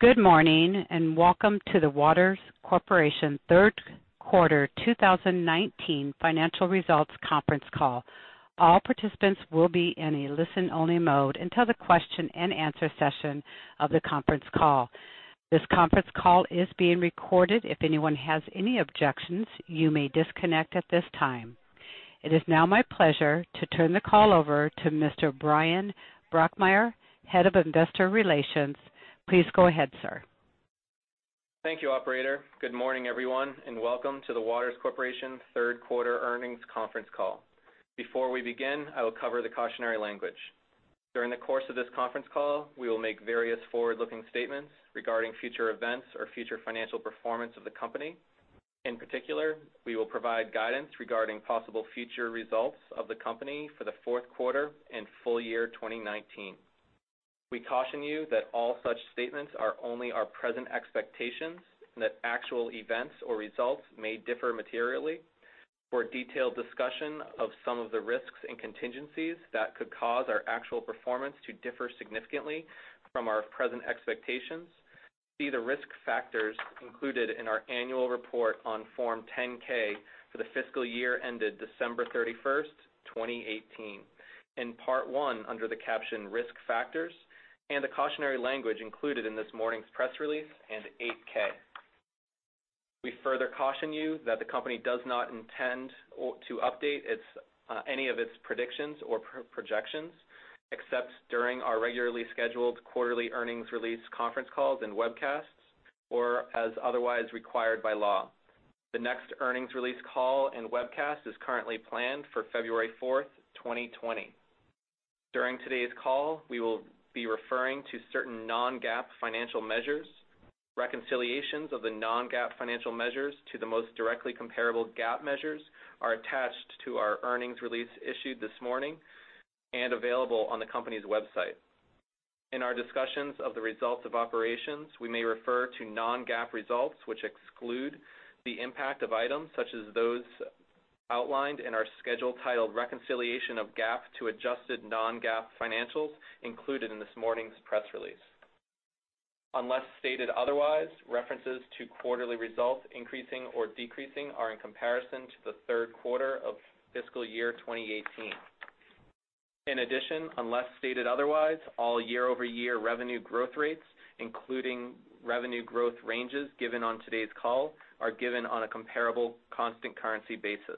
Good morning and welcome to the Waters Corporation Q3 2019 Financial Results Conference Call. All participants will be in a listen-only mode until the question and answer session of the conference call. This conference call is being recorded. If anyone has any objections, you may disconnect at this time. It is now my pleasure to turn the call over to Mr. Bryan Brokmeier, Head of Investor Relations. Please go ahead, sir. Thank you, Operator. Good morning, everyone, and welcome to the Waters Corporation Q3 Earnings Conference Call. Before we begin, I will cover the cautionary language. During the course of this conference call, we will make various forward-looking statements regarding future events or future financial performance of the company. In particular, we will provide guidance regarding possible future results of the company for the Q4 and full year 2019. We caution you that all such statements are only our present expectations and that actual events or results may differ materially. For detailed discussion of some of the risks and contingencies that could cause our actual performance to differ significantly from our present expectations, see the risk factors included in our annual report on Form 10-K for the fiscal year ended 31 December 2018, in Part 1 under the caption Risk Factors and the cautionary language included in this morning's press release and 8-K. We further caution you that the company does not intend to update any of its predictions or projections except during our regularly scheduled quarterly earnings release conference calls and webcasts or as otherwise required by law. The next earnings release call and webcast is currently planned for 4 February 2020. During today's call, we will be referring to certain non-GAAP financial measures. Reconciliations of the non-GAAP financial measures to the most directly comparable GAAP measures are attached to our earnings release issued this morning and available on the company's website. In our discussions of the results of operations, we may refer to non-GAAP results which exclude the impact of items such as those outlined in our schedule titled Reconciliation of GAAP to Adjusted Non-GAAP Financials included in this morning's press release. Unless stated otherwise, references to quarterly results increasing or decreasing are in comparison to the Q3 of fiscal year 2018. In addition, unless stated otherwise, all year-over-year revenue growth rates, including revenue growth ranges given on today's call, are given on a comparable constant currency basis.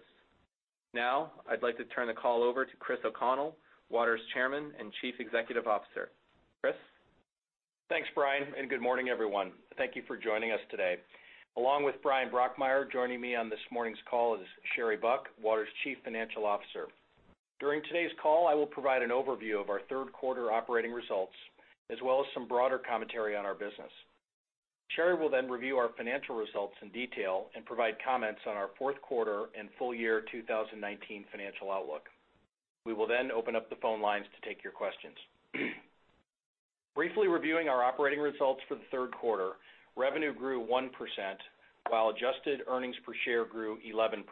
Now, I'd like to turn the call over to Chris O'Connell, Waters Chairman and Chief Executive Officer. Chris. Thanks, Bryan, and good morning, everyone. Thank you for joining us today. Along with Bryan Brokmeier, joining me on this morning's call is Sherry Buck, Waters' Chief Financial Officer. During today's call, I will provide an overview of our Q3 operating results as well as some broader commentary on our business. Sherry will then review our financial results in detail and provide comments on our Q4 and full year 2019 financial outlook. We will then open up the phone lines to take your questions. Briefly reviewing our operating results for the Q3, revenue grew 1% while adjusted earnings per share grew 11%.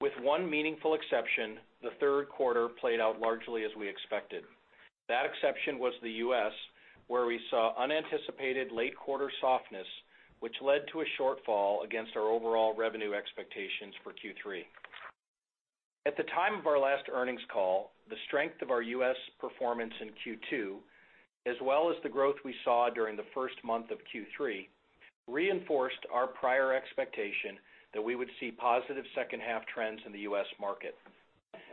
With one meaningful exception, the Q3 played out largely as we expected. That exception was the U.S., where we saw unanticipated late quarter softness which led to a shortfall against our overall revenue expectations for Q3. At the time of our last earnings call, the strength of our U.S. performance in Q2, as well as the growth we saw during the first month of Q3, reinforced our prior expectation that we would see positive second half trends in the U.S. market.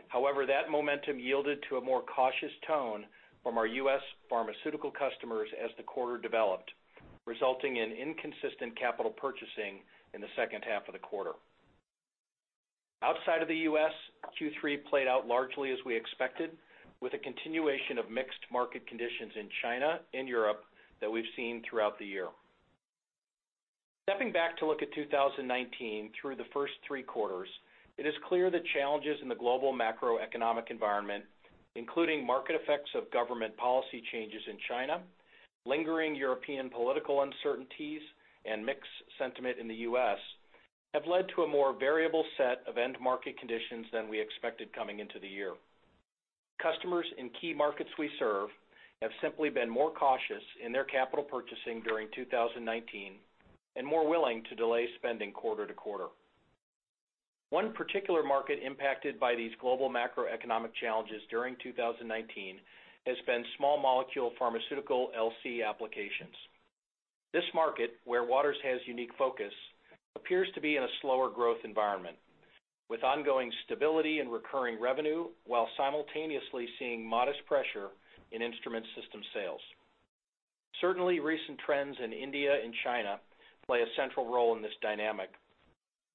However, that momentum yielded to a more cautious tone from our U.S. pharmaceutical customers as the quarter developed, resulting in inconsistent capital purchasing in the second half of the quarter. Outside of the U.S., Q3 played out largely as we expected with a continuation of mixed market conditions in China and Europe that we've seen throughout the year. Stepping back to look at 2019 through the first three quarters, it is clear the challenges in the global macroeconomic environment, including market effects of government policy changes in China, lingering European political uncertainties, and mixed sentiment in the U.S., have led to a more variable set of end market conditions than we expected coming into the year. Customers in key markets we serve have simply been more cautious in their capital purchasing during 2019 and more willing to delay spending quarter to quarter. One particular market impacted by these global macroeconomic challenges during 2019 has been small molecule pharmaceutical LC applications. This market, where Waters has unique focus, appears to be in a slower growth environment with ongoing stability and recurring revenue while simultaneously seeing modest pressure in instrument system sales. Certainly, recent trends in India and China play a central role in this dynamic,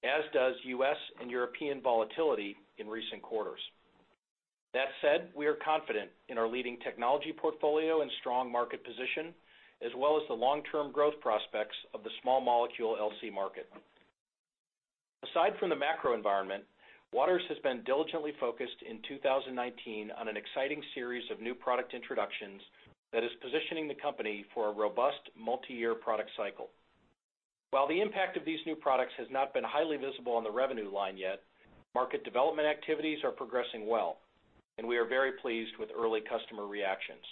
as does U.S. and European volatility in recent quarters. That said, we are confident in our leading technology portfolio and strong market position, as well as the long-term growth prospects of the small molecule LC market. Aside from the macro environment, Waters has been diligently focused in 2019 on an exciting series of new product introductions that is positioning the company for a robust multi-year product cycle. While the impact of these new products has not been highly visible on the revenue line yet, market development activities are progressing well, and we are very pleased with early customer reactions.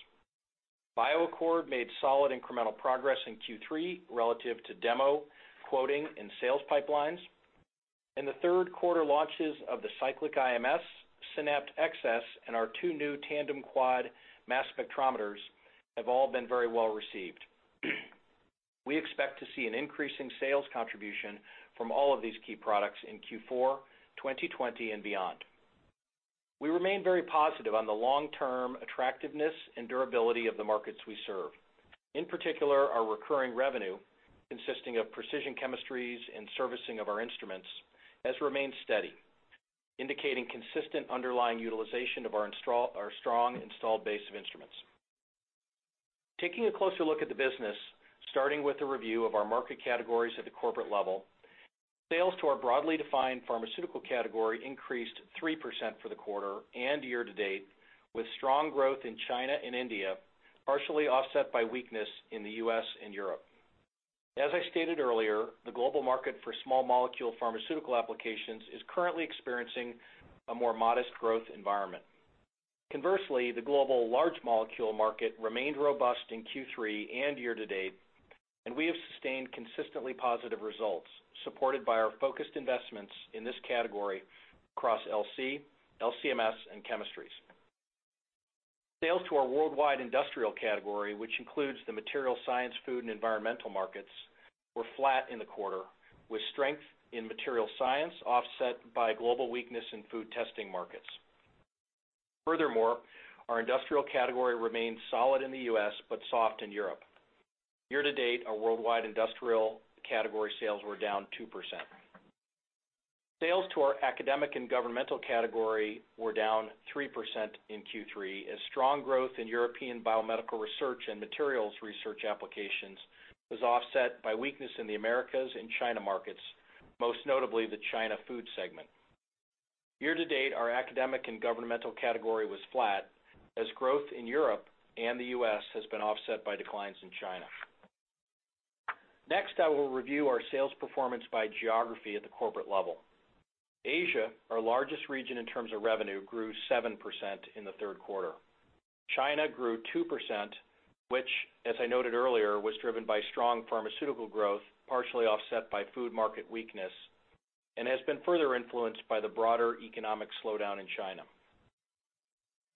BioAccord made solid incremental progress in Q3 relative to demo, quoting, and sales pipelines, and the Q3 launches of the Cyclic IMS, Synapt XS, and our two new tandem quad mass spectrometers have all been very well received. We expect to see an increasing sales contribution from all of these key products in Q4, 2020, and beyond. We remain very positive on the long-term attractiveness and durability of the markets we serve. In particular, our recurring revenue consisting of precision chemistries and servicing of our instruments has remained steady, indicating consistent underlying utilization of our strong installed base of instruments. Taking a closer look at the business, starting with a review of our market categories at the corporate level, sales to our broadly defined pharmaceutical category increased 3% for the quarter and year to date with strong growth in China and India, partially offset by weakness in the U.S. and Europe. As I stated earlier, the global market for small molecule pharmaceutical applications is currently experiencing a more modest growth environment. Conversely, the global large molecule market remained robust in Q3 and year to date, and we have sustained consistently positive results supported by our focused investments in this category across LC, LC-MS, and chemistries. Sales to our worldwide industrial category, which includes the material science, food, and environmental markets, were flat in the quarter with strength in material science offset by global weakness in food testing markets. Furthermore, our industrial category remained solid in the U.S. but soft in Europe. Year to date, our worldwide industrial category sales were down 2%. Sales to our academic and governmental category were down 3% in Q3, as strong growth in European biomedical research and materials research applications was offset by weakness in the Americas and China markets, most notably the China food segment. Year to date, our academic and governmental category was flat, as growth in Europe and the U.S. has been offset by declines in China. Next, I will review our sales performance by geography at the corporate level. Asia, our largest region in terms of revenue, grew 7% in the Q3. China grew 2%, which, as I noted earlier, was driven by strong pharmaceutical growth, partially offset by food market weakness, and has been further influenced by the broader economic slowdown in China.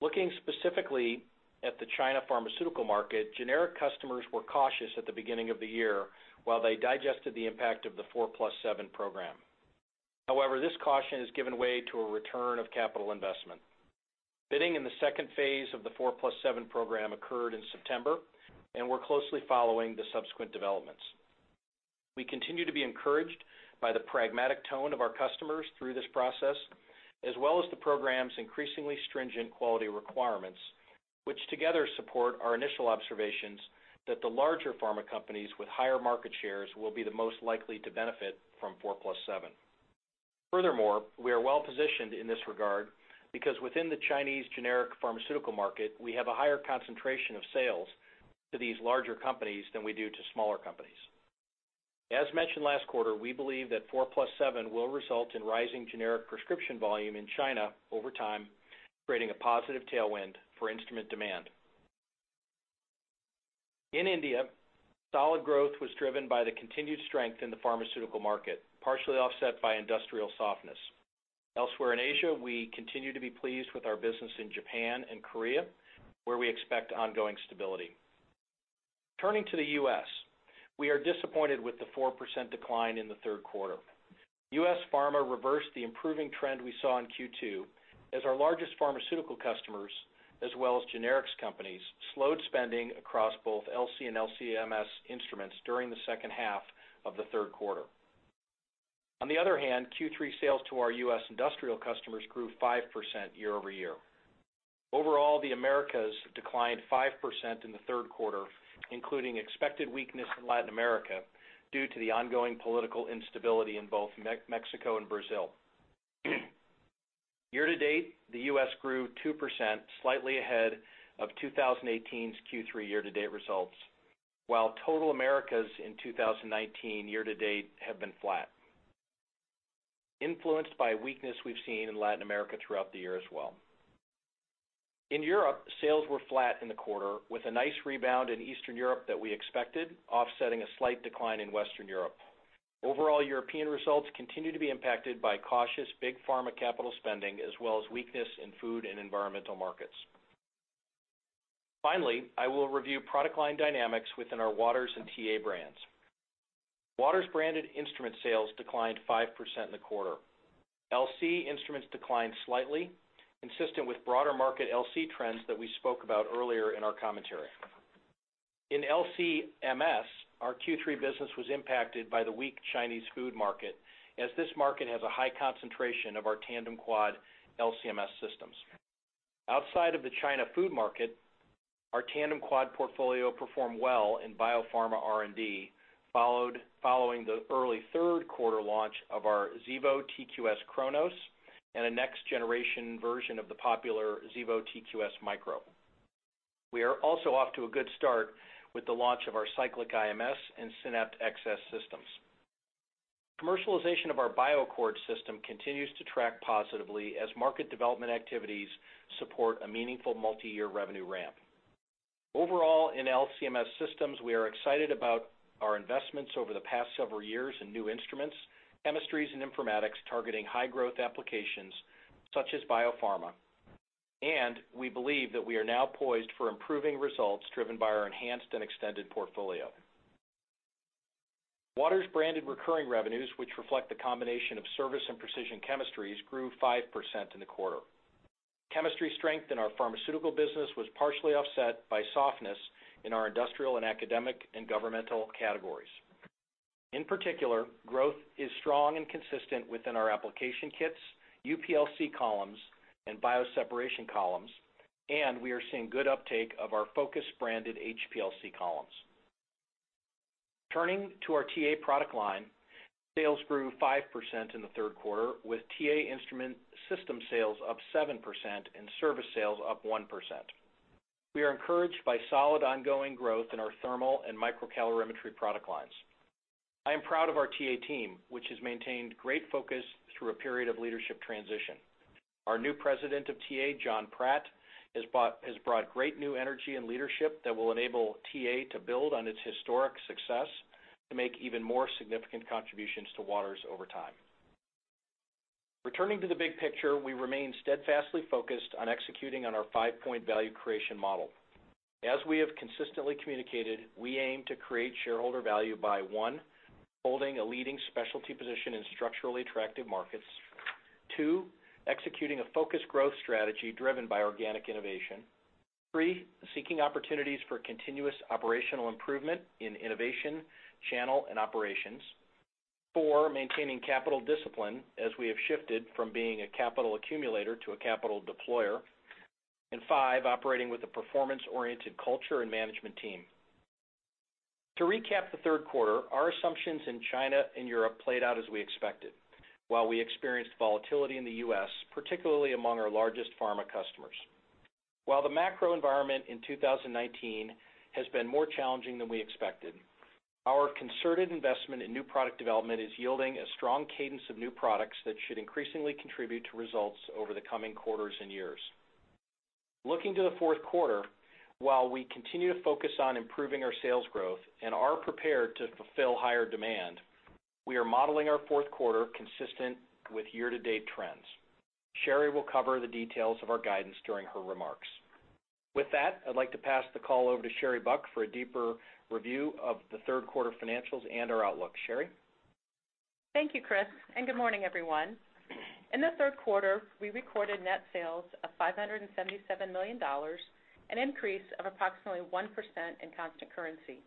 Looking specifically at the China pharmaceutical market, generic customers were cautious at the beginning of the year while they digested the impact of the 4+7 Program. However, this caution has given way to a return of capital investment. Bidding in the phase II of the 4+7 Program occurred in September, and we're closely following the subsequent developments. We continue to be encouraged by the pragmatic tone of our customers through this process, as well as the program's increasingly stringent quality requirements, which together support our initial observations that the larger pharma companies with higher market shares will be the most likely to benefit from 4+7. Furthermore, we are well positioned in this regard because within the Chinese generic pharmaceutical market, we have a higher concentration of sales to these larger companies than we do to smaller companies. As mentioned last quarter, we believe that 4+7 will result in rising generic prescription volume in China over time, creating a positive tailwind for instrument demand. In India, solid growth was driven by the continued strength in the pharmaceutical market, partially offset by industrial softness. Elsewhere in Asia, we continue to be pleased with our business in Japan and Korea, where we expect ongoing stability. Turning to the U.S., we are disappointed with the 4% decline in the Q3. U.S. pharma reversed the improving trend we saw in Q2 as our largest pharmaceutical customers, as well as generics companies, slowed spending across both LC and LC-MS instruments during the second half of the Q3. On the other hand, Q3 sales to our U.S. industrial customers grew 5% year over year. Overall, the Americas declined 5% in the Q3, including expected weakness in Latin America due to the ongoing political instability in both Mexico and Brazil. Year to date, the U.S. grew 2%, slightly ahead of 2018's Q3 year-to-date results, while total Americas in 2019 year to date have been flat, influenced by weakness we've seen in Latin America throughout the year as well. In Europe, sales were flat in the quarter with a nice rebound in Eastern Europe that we expected, offsetting a slight decline in Western Europe. Overall, European results continue to be impacted by cautious big pharma capital spending, as well as weakness in food and environmental markets. Finally, I will review product line dynamics within our Waters and TA brands. Waters branded instrument sales declined 5% in the quarter. LC instruments declined slightly, consistent with broader market LC trends that we spoke about earlier in our commentary. In LCMS, our Q3 business was impacted by the weak Chinese food market, as this market has a high concentration of our Tandem Quad LCMS systems. Outside of the China food market, our Tandem Quad portfolio performed well in biopharma R&D, following the early Q3 launch of our Xevo TQ-S cronos and a next-generation version of the popular Xevo TQ-S micro. We are also off to a good start with the launch of our Cyclic IMS and Synapt XS systems. Commercialization of our BioAccord system continues to track positively as market development activities support a meaningful multi-year revenue ramp. Overall, in LC-MS systems, we are excited about our investments over the past several years in new instruments, chemistries, and informatics targeting high-growth applications such as biopharma, and we believe that we are now poised for improving results driven by our enhanced and extended portfolio. Waters branded recurring revenues, which reflect the combination of service and precision chemistries, grew 5% in the quarter. Chemistry strength in our pharmaceutical business was partially offset by softness in our industrial and academic and governmental categories. In particular, growth is strong and consistent within our application kits, UPLC columns, and bioseparation columns, and we are seeing good uptake of our focused branded HPLC columns. Turning to our TA product line, sales grew 5% in the Q3, with TA instrument system sales up 7% and service sales up 1%. We are encouraged by solid ongoing growth in our thermal and microcalorimetry product lines. I am proud of our TA team, which has maintained great focus through a period of leadership transition. Our new President of TA, Jon Pratt, has brought great new energy and leadership that will enable TA to build on its historic success to make even more significant contributions to Waters over time. Returning to the big picture, we remain steadfastly focused on executing on our five-point value creation model. As we have consistently communicated, we aim to create shareholder value by, one, holding a leading specialty position in structurally attractive markets, two, executing a focused growth strategy driven by organic innovation, three, seeking opportunities for continuous operational improvement in innovation, channel, and operations, four, maintaining capital discipline as we have shifted from being a capital accumulator to a capital deployer, and five, operating with a performance-oriented culture and management team. To recap the Q3, our assumptions in China and Europe played out as we expected, while we experienced volatility in the U.S., particularly among our largest pharma customers. While the macro environment in 2019 has been more challenging than we expected, our concerted investment in new product development is yielding a strong cadence of new products that should increasingly contribute to results over the coming quarters and years. Looking to the Q4, while we continue to focus on improving our sales growth and are prepared to fulfill higher demand, we are modeling our Q4 consistent with year-to-date trends. Sherry will cover the details of our guidance during her remarks. With that, I'd like to pass the call over to Sherry Buck for a deeper review of the Q3 financials and our outlook. Sherry? Thank you, Chris, and good morning, everyone. In the Q3, we recorded net sales of $577 million, an increase of approximately 1% in constant currency.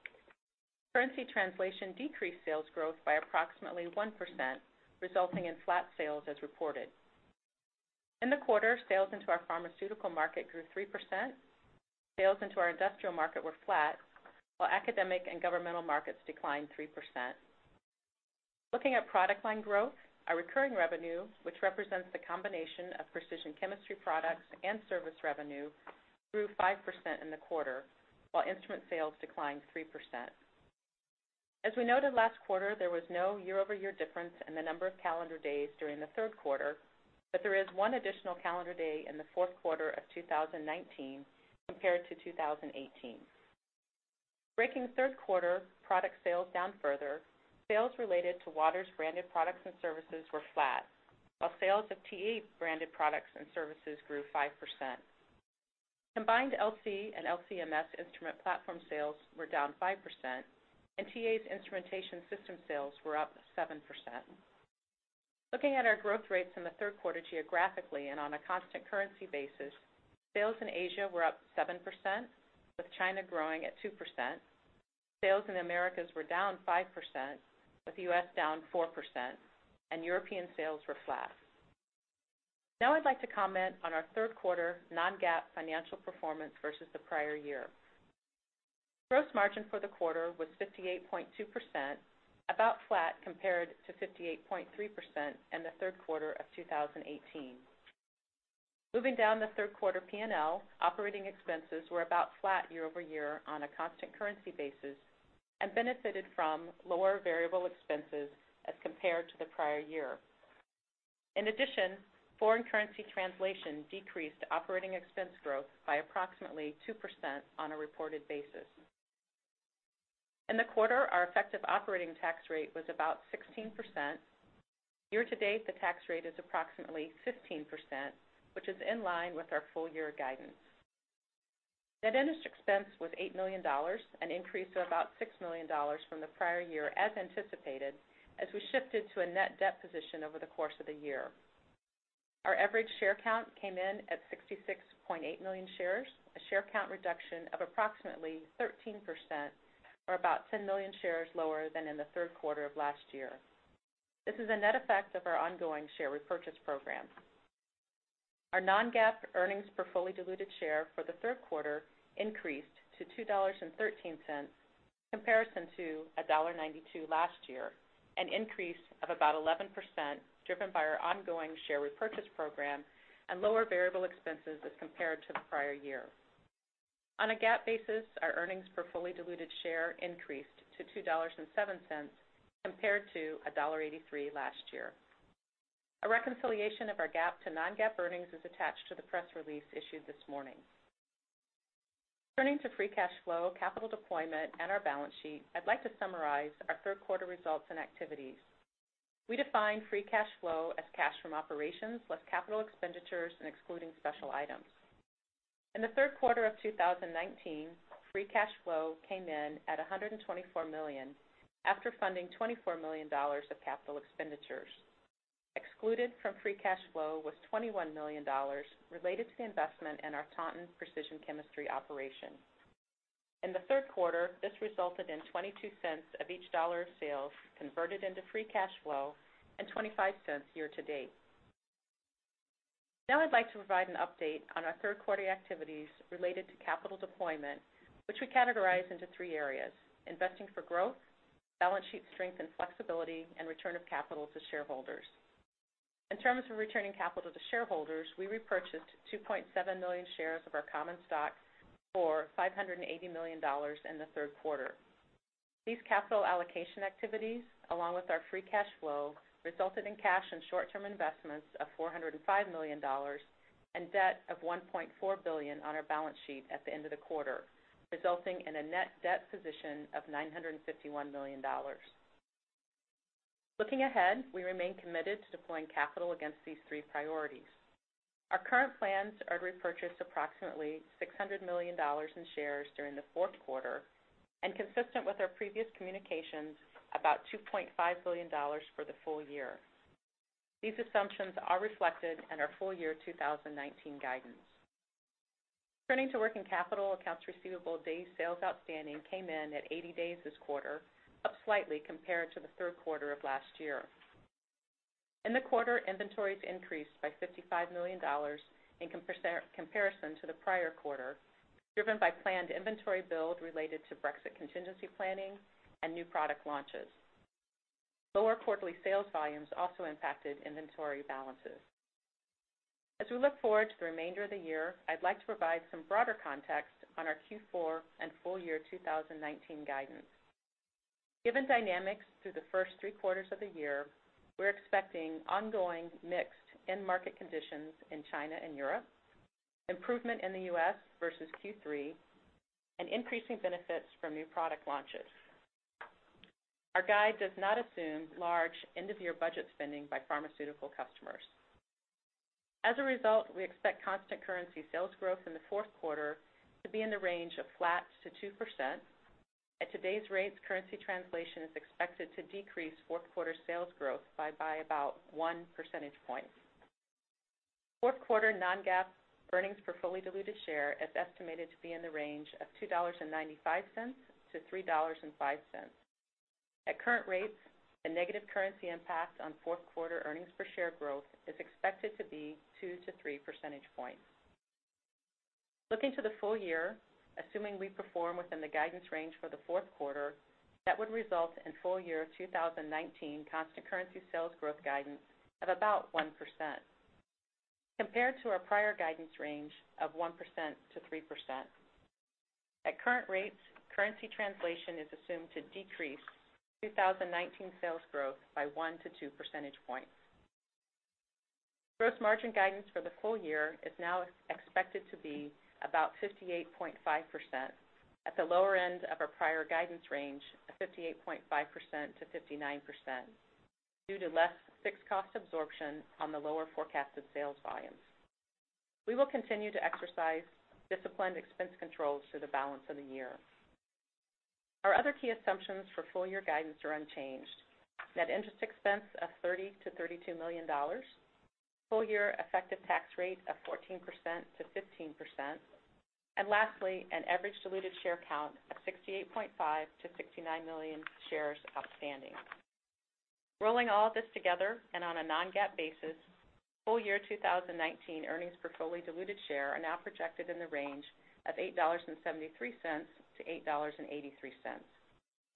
Currency translation decreased sales growth by approximately 1%, resulting in flat sales as reported. In the quarter, sales into our pharmaceutical market grew 3%. Sales into our industrial market were flat, while academic and governmental markets declined 3%. Looking at product line growth, our recurring revenue, which represents the combination of precision chemistry products and service revenue, grew 5% in the quarter, while instrument sales declined 3%. As we noted last quarter, there was no year-over-year difference in the number of calendar days during the Q3, but there is one additional calendar day in the Q4 of 2019 compared to 2018. Breaking Q3 product sales down further, sales related to Waters branded products and services were flat, while sales of TA branded products and services grew 5%. Combined LC and LC-MS instrument platform sales were down 5%, and TA's instrumentation system sales were up 7%. Looking at our growth rates in the Q3 geographically and on a constant currency basis, sales in Asia were up 7%, with China growing at 2%. Sales in the Americas were down 5%, with the U.S. down 4%, and European sales were flat. Now I'd like to comment on our Q3 non-GAAP financial performance versus the prior year. Gross margin for the quarter was 58.2%, about flat compared to 58.3% in the Q3 of 2018. Moving down the Q3 P&L, operating expenses were about flat year over year on a constant currency basis and benefited from lower variable expenses as compared to the prior year. In addition, foreign currency translation decreased operating expense growth by approximately 2% on a reported basis. In the quarter, our effective operating tax rate was about 16%. Year to date, the tax rate is approximately 15%, which is in line with our full-year guidance. Net interest expense was $8 million, an increase of about $6 million from the prior year as anticipated, as we shifted to a net debt position over the course of the year. Our average share count came in at 66.8 million shares, a share count reduction of approximately 13%, or about 10 million shares lower than in the Q3 of last year. This is a net effect of our ongoing share repurchase program. Our non-GAAP earnings per fully diluted share for the Q3 increased to $2.13 in comparison to $1.92 last year, an increase of about 11% driven by our ongoing share repurchase program and lower variable expenses as compared to the prior year. On a GAAP basis, our earnings per fully diluted share increased to $2.07 compared to $1.83 last year. A reconciliation of our GAAP to non-GAAP earnings is attached to the press release issued this morning. Turning to free cash flow, capital deployment, and our balance sheet, I'd like to summarize our Q3 results and activities. We defined free cash flow as cash from operations less capital expenditures and excluding special items. In the Q3 of 2019, free cash flow came in at $124 million after funding $24 million of capital expenditures. Excluded from free cash flow was $21 million related to the investment in our Taunton Precision Chemistry operation. In the Q3, this resulted in $0.22 of each dollar of sales converted into free cash flow and $0.25 year to date. Now I'd like to provide an update on our Q3 activities related to capital deployment, which we categorize into three areas: investing for growth, balance sheet strength and flexibility, and return of capital to shareholders. In terms of returning capital to shareholders, we repurchased 2.7 million shares of our common stock for $580 million in the Q3. These capital allocation activities, along with our free cash flow, resulted in cash and short-term investments of $405 million and debt of $1.4 billion on our balance sheet at the end of the quarter, resulting in a net debt position of $951 million. Looking ahead, we remain committed to deploying capital against these three priorities. Our current plans are to repurchase approximately $600 million in shares during the Q4 and, consistent with our previous communications, about $2.5 billion for the full year. These assumptions are reflected in our full-year 2019 guidance. Turning to working capital, accounts receivable day sales outstanding came in at 80 days this quarter, up slightly compared to the Q3 of last year. In the quarter, inventories increased by $55 million in comparison to the prior quarter, driven by planned inventory build related to Brexit contingency planning and new product launches. Lower quarterly sales volumes also impacted inventory balances. As we look forward to the remainder of the year, I'd like to provide some broader context on our Q4 and full-year 2019 guidance. Given dynamics through the first three quarters of the year, we're expecting ongoing mixed in-market conditions in China and Europe, improvement in the U.S. versus Q3, and increasing benefits from new product launches. Our guide does not assume large end-of-year budget spending by pharmaceutical customers. As a result, we expect constant currency sales growth in the Q4 to be in the range of flat to 2%. At today's rates, currency translation is expected to decrease Q4 sales growth by about one percentage point. Q4 non-GAAP earnings per fully diluted share is estimated to be in the range of $2.95 to $3.05. At current rates, the negative currency impact on Q4 earnings per share growth is expected to be 2 to 3 percentage points. Looking to the full year, assuming we perform within the guidance range for the Q4, that would result in full-year 2019 constant currency sales growth guidance of about 1%, compared to our prior guidance range of 1% to 3%. At current rates, currency translation is assumed to decrease 2019 sales growth by 1 to 2 percentage points. Gross margin guidance for the full year is now expected to be about 58.5%, at the lower end of our prior guidance range of 58.5%-59%, due to less fixed cost absorption on the lower forecasted sales volumes. We will continue to exercise disciplined expense controls through the balance of the year. Our other key assumptions for full-year guidance are unchanged: net interest expense of $30-$32 million, full-year effective tax rate of 14%-15%, and lastly, an average diluted share count of 68.5-69 million shares outstanding. Rolling all of this together and on a non-GAAP basis, full-year 2019 earnings per fully diluted share are now projected in the range of $8.73-$8.83,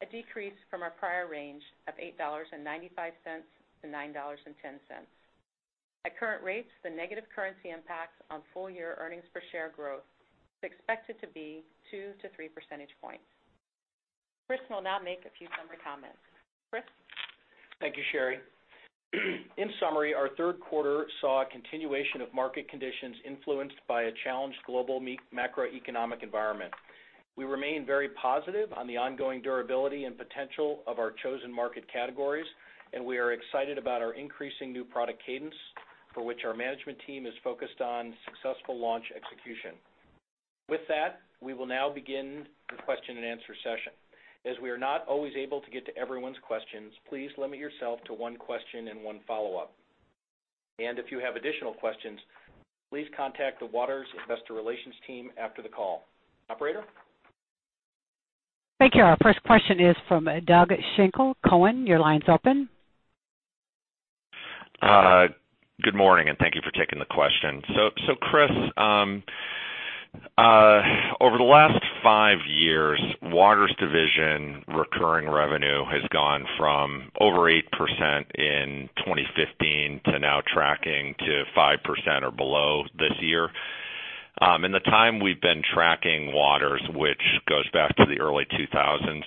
a decrease from our prior range of $8.95-$9.10. At current rates, the negative currency impact on full-year earnings per share growth is expected to be 2-3 percentage points. Chris will now make a few summary comments. Chris? Thank you, Sherry. In summary, our Q3 saw a continuation of market conditions influenced by a challenged global macroeconomic environment. We remain very positive on the ongoing durability and potential of our chosen market categories, and we are excited about our increasing new product cadence, for which our management team is focused on successful launch execution. With that, we will now begin the question and answer session. As we are not always able to get to everyone's questions, please limit yourself to one question and one follow-up. And if you have additional questions, please contact the Waters Investor Relations team after the call. Operator? Take care. Our first question is from Doug Schenk, Cowen. Your line's open. Good morning, and thank you for taking the question, so, Chris, over the last five years, Waters Division recurring revenue has gone from over 8% in 2015 to now tracking to 5% or below this year. In the time we've been tracking Waters, which goes back to the early 2000s,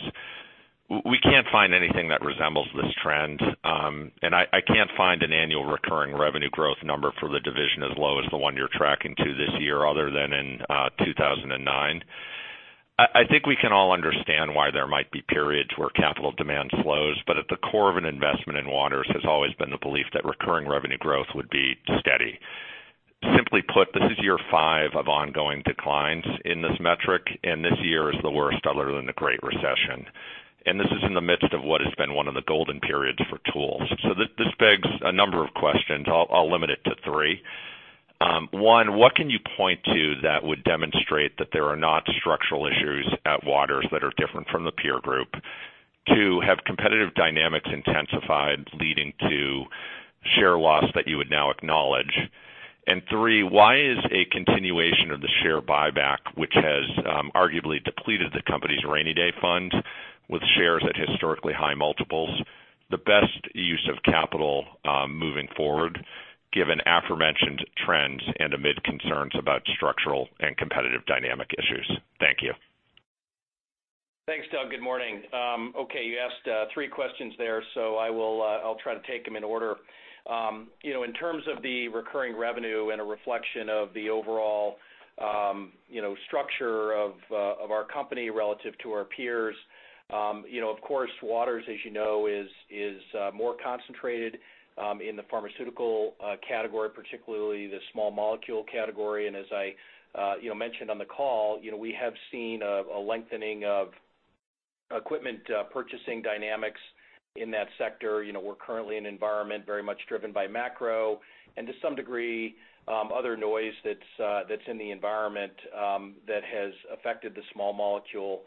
we can't find anything that resembles this trend, and I can't find an annual recurring revenue growth number for the division as low as the one you're tracking to this year other than in 2009. I think we can all understand why there might be periods where capital demand slows, but at the core of an investment in Waters has always been the belief that recurring revenue growth would be steady. Simply put, this is year five of ongoing declines in this metric, and this year is the worst other than the Great Recession. And this is in the midst of what has been one of the golden periods for tools. So this begs a number of questions. I'll limit it to three. One, what can you point to that would demonstrate that there are not structural issues at Waters that are different from the peer group? Two, have competitive dynamics intensified leading to share loss that you would now acknowledge? And three, why is a continuation of the share buyback, which has arguably depleted the company's rainy day fund with shares at historically high multiples, the best use of capital moving forward given aforementioned trends and amid concerns about structural and competitive dynamic issues? Thank you. Thanks, Doug. Good morning. Okay, you asked three questions there, so I'll try to take them in order. In terms of the recurring revenue and a reflection of the overall structure of our company relative to our peers, of course, Waters, as you know, is more concentrated in the pharmaceutical category, particularly the small molecule category. As I mentioned on the call, we have seen a lengthening of equipment purchasing dynamics in that sector. We're currently in an environment very much driven by macro and, to some degree, other noise that's in the environment that has affected the small molecule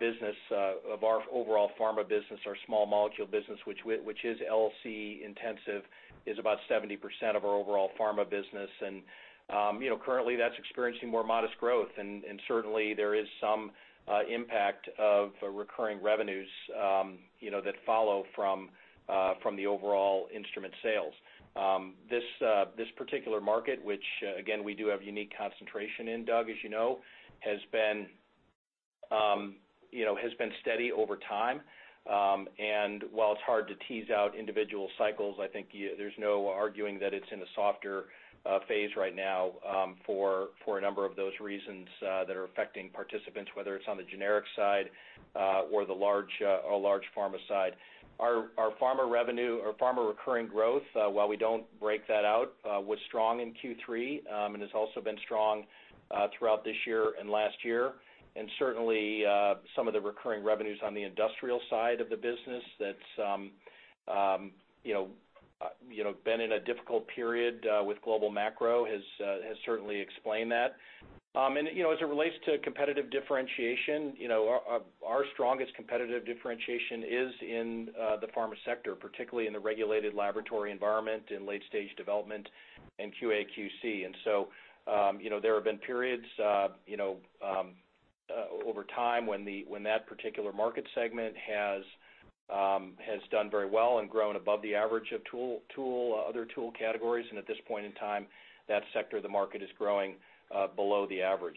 business of our overall pharma business. Our small molecule business, which is LC intensive, is about 70% of our overall pharma business. Currently, that's experiencing more modest growth. Certainly, there is some impact of recurring revenues that follow from the overall instrument sales. This particular market, which, again, we do have unique concentration in, Doug, as you know, has been steady over time. While it's hard to tease out individual cycles, I think there's no arguing that it's in a softer phase right now for a number of those reasons that are affecting participants, whether it's on the generic side or the large pharma side. Our pharma recurring growth, while we don't break that out, was strong in Q3 and has also been strong throughout this year and last year. Certainly, some of the recurring revenues on the industrial side of the business that's been in a difficult period with global macro has certainly explained that. As it relates to competitive differentiation, our strongest competitive differentiation is in the pharma sector, particularly in the regulated laboratory environment in late-stage development and QA/QC. So there have been periods over time when that particular market segment has done very well and grown above the average of other tool categories. At this point in time, that sector of the market is growing below the average.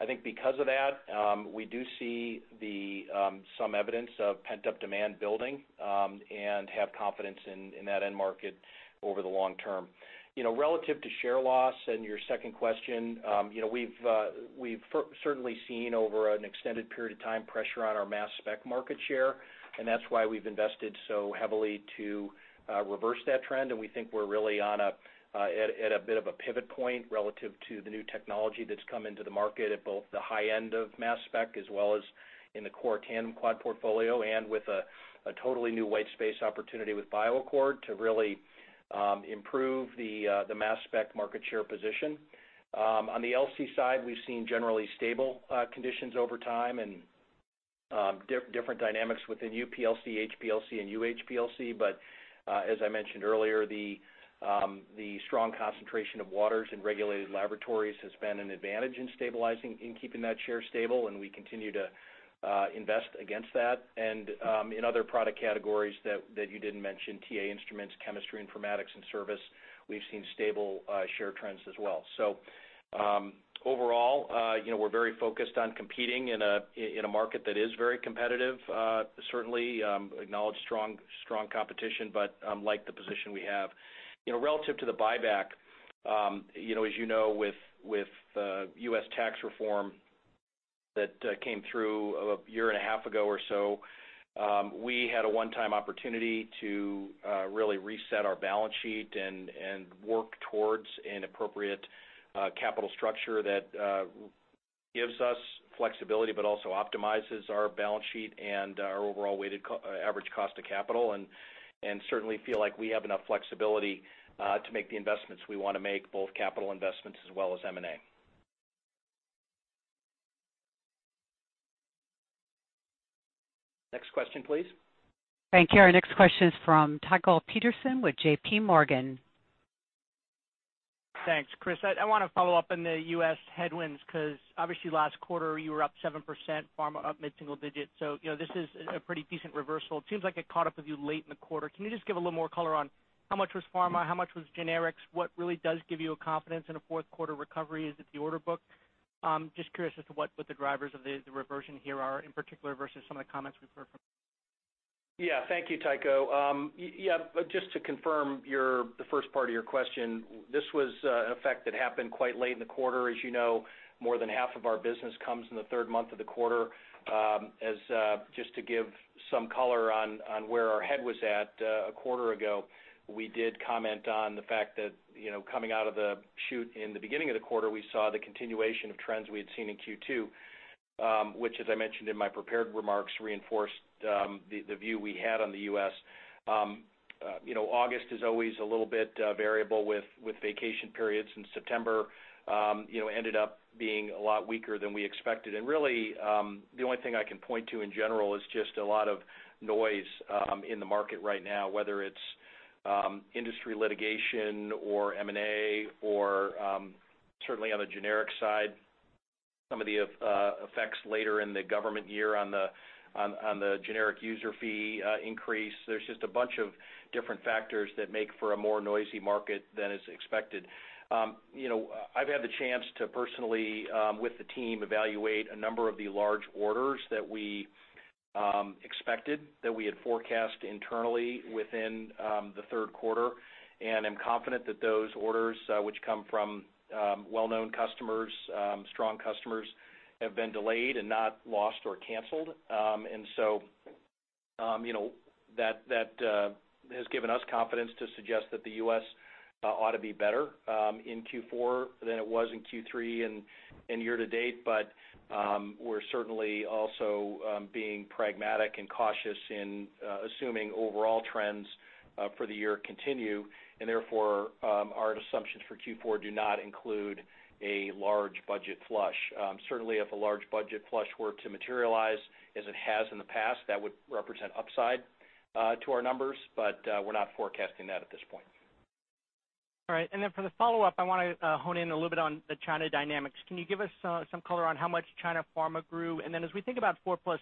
I think because of that, we do see some evidence of pent-up demand building and have confidence in that end market over the long term. Relative to share loss and your second question, we've certainly seen over an extended period of time pressure on our mass spec market share, and that's why we've invested so heavily to reverse that trend. We think we're really at a bit of a pivot point relative to the new technology that's come into the market at both the high end of mass spec as well as in the core tandem quad portfolio and with a totally new white space opportunity with BioAccord to really improve the mass spec market share position. On the LC side, we've seen generally stable conditions over time and different dynamics within UPLC, HPLC, and UHPLC. But as I mentioned earlier, the strong concentration of Waters in regulated laboratories has been an advantage in stabilizing and keeping that share stable. And we continue to invest against that. And in other product categories that you didn't mention, TA Instruments, chemistry, informatics, and service, we've seen stable share trends as well. So overall, we're very focused on competing in a market that is very competitive, certainly acknowledge strong competition, but like the position we have. Relative to the buyback, as you know, with U.S. tax reform that came through a year and a half ago or so, we had a one-time opportunity to really reset our balance sheet and work towards an appropriate capital structure that gives us flexibility but also optimizes our balance sheet and our overall weighted average cost of capital, and certainly feel like we have enough flexibility to make the investments we want to make, both capital investments as well as M&A. Next question, please. Thank you. Our next question is from Tycho Peterson with J.P. Morgan. Thanks. Chris, I want to follow up on the U.S. headwinds because, obviously, last quarter, you were up 7%, pharma up mid-single digits. So this is a pretty decent reversal. It seems like it caught up with you late in the quarter. Can you just give a little more color on how much was pharma, how much was generics? What really does give you a confidence in a Q4 recovery? Is it the order book? Just curious as to what the drivers of the reversion here are in particular versus some of the comments we've heard from. Yeah. Thank you, Tycho. Yeah, just to confirm the first part of your question, this was an effect that happened quite late in the quarter. As you know, more than half of our business comes in the third month of the quarter. Just to give some color on where our head was at a quarter ago, we did comment on the fact that coming out of the chute in the beginning of the quarter, we saw the continuation of trends we had seen in Q2, which, as I mentioned in my prepared remarks, reinforced the view we had on the U.S. August is always a little bit variable with vacation periods, and September ended up being a lot weaker than we expected, and really, the only thing I can point to in general is just a lot of noise in the market right now, whether it's industry litigation or M&A or certainly on the generic side, some of the effects later in the government year on the generic user fee increase. There's just a bunch of different factors that make for a more noisy market than is expected. I've had the chance to personally, with the team, evaluate a number of the large orders that we expected, that we had forecast internally within the Q3, and I'm confident that those orders, which come from well-known customers, strong customers, have been delayed and not lost or canceled, and so that has given us confidence to suggest that the U.S. ought to be better in Q4 than it was in Q3 and year to date. But we're certainly also being pragmatic and cautious in assuming overall trends for the year continue, and therefore, our assumptions for Q4 do not include a large budget flush. Certainly, if a large budget flush were to materialize, as it has in the past, that would represent upside to our numbers, but we're not forecasting that at this point. All right. And then for the follow-up, I want to hone in a little bit on the China dynamics. Can you give us some color on how much China pharma grew? And then as we think about 4+7,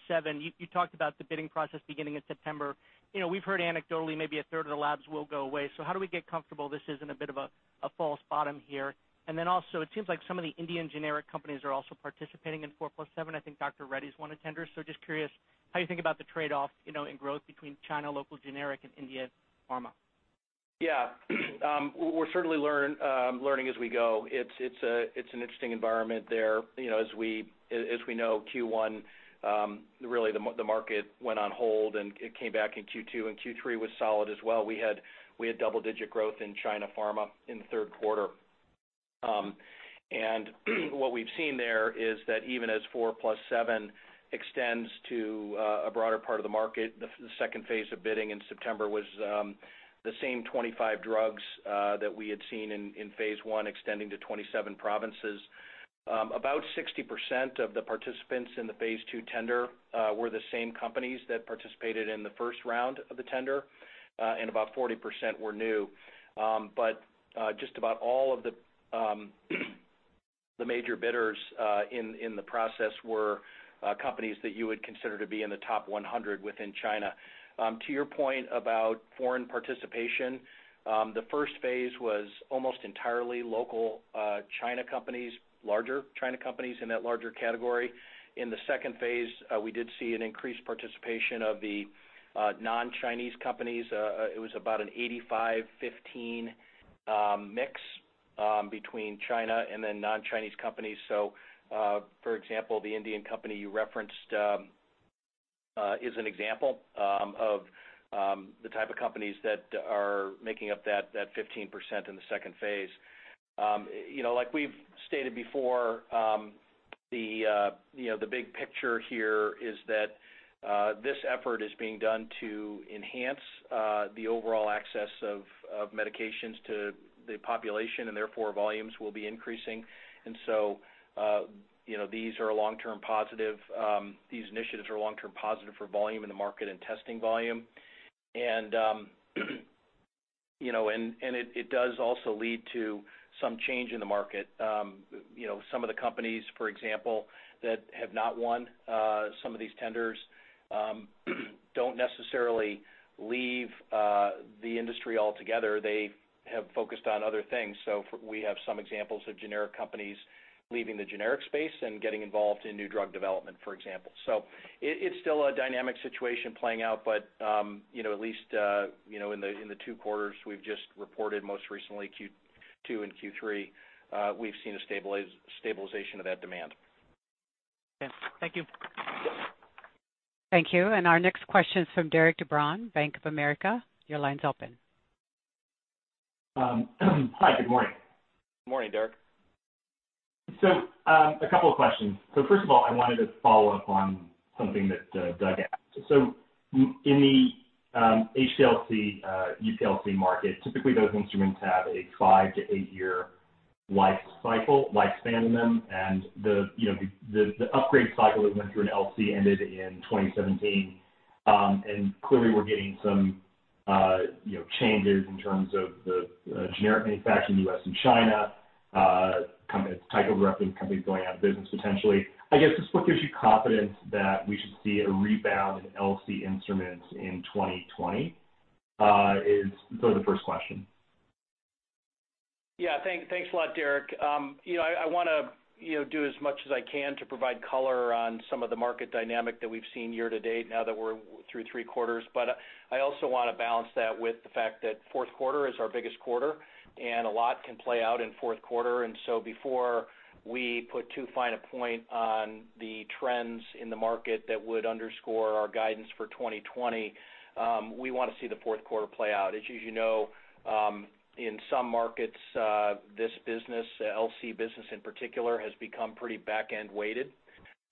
you talked about the bidding process beginning in September. We've heard anecdotally maybe a third of the labs will go away. So how do we get comfortable this isn't a bit of a false bottom here? And then also, it seems like some of the Indian generic companies are also participating in 4+7. I think Dr. Reddy's one tender. So just curious how you think about the trade-off in growth between China local generic and Indian pharma. Yeah. We're certainly learning as we go. It's an interesting environment there. As we know, Q1, really the market went on hold, and it came back in Q2. Q3 was solid as well. We had double-digit growth in China pharma in the Q3. And what we've seen there is that even as 4+7 extends to a broader part of the market, the second phase of bidding in September was the same 25 drugs that we had seen in phase I extending to 27 provinces. About 60% of the participants in the phase two tender were the same companies that participated in the first round of the tender, and about 40% were new. But just about all of the major bidders in the process were companies that you would consider to be in the top 100 within China. To your point about foreign participation, the first phase was almost entirely local China companies, larger China companies in that larger category. In the second phase, we did see an increased participation of the non-Chinese companies. It was about an 85/15 mix between China and then non-Chinese companies, so for example, the Indian company you referenced is an example of the type of companies that are making up that 15% in the second phase. Like we've stated before, the big picture here is that this effort is being done to enhance the overall access of medications to the population, and therefore volumes will be increasing, and so these are long-term positive. These initiatives are long-term positive for volume in the market and testing volume, and it does also lead to some change in the market. Some of the companies, for example, that have not won some of these tenders don't necessarily leave the industry altogether. They have focused on other things, so we have some examples of generic companies leaving the generic space and getting involved in new drug development, for example. So it's still a dynamic situation playing out. But at least in the two quarters we've just reported most recently Q2 and Q3, we've seen a stabilization of that demand. Okay. Thank you. Thank you. And our next question is from Derik De Bruin, Bank of America. Your line's open. Hi. Good morning. Good morning, Derik. So a couple of questions. So first of all, I wanted to follow up on something that Doug asked. So in the HPLC, UPLC market, typically those instruments have a five to eight-year lifespan in them. And the upgrade cycle that went through an LC ended in 2017. And clearly, we're getting some changes in terms of the generic manufacturing in the U.S. and China. Tycho's referencing companies going out of business potentially. I guess just what gives you confidence that we should see a rebound in LC instruments in 2020 is sort of the first question. Yeah. Thanks a lot, Derik. I want to do as much as I can to provide color on some of the market dynamics that we've seen year to date now that we're through three quarters. But I also want to balance that with the fact that Q4 is our biggest quarter, and a lot can play out in Q4. And so before we put too fine a point on the trends in the market that would underscore our guidance for 2020, we want to see the Q4 play out. As you know, in some markets, this business, LC business in particular, has become pretty back-end weighted.